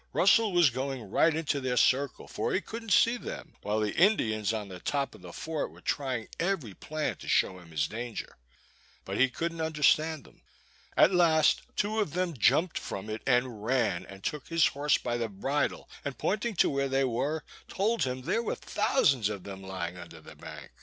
Russel was going right into their circle, for he couldn't see them, while the Indians on the top of the fort were trying every plan to show him his danger. But he couldn't understand them. At last, two of them jumped from it, and ran, and took his horse by the bridle, and pointing to where they were, told him there were thousands of them lying under the bank.